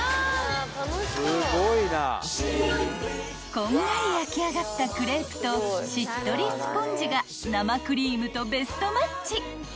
［こんがり焼き上がったクレープとしっとりスポンジが生クリームとベストマッチ］